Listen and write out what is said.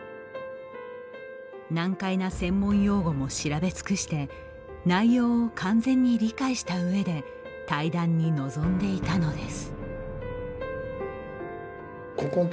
難解な専門用語も調べ尽くして内容を完全に理解したうえで対談に臨んでいたのです。